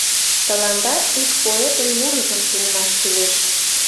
— Тыланда ик поэтын мурыжым тунемаш кӱлеш.